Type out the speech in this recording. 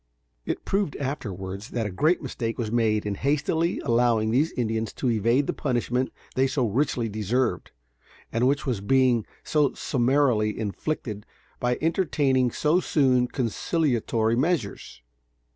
It proved afterwards that a great mistake was made in hastily allowing these Indians to evade the punishment they so richly deserved, and which was being so summarily inflicted, by entertaining so soon conciliatory measures.